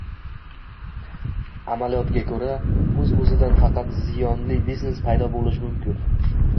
Amaliyotga ko‘ra, «o‘z o‘zidan» faqat ziyonli biznes paydo bo‘lishi mumkin.